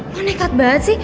kok nekat banget sih